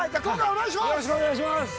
今回、お願いします。